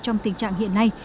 trong tình trạng hiện nay